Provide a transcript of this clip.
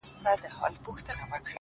زما زنده گي وخوړه زې وخوړم،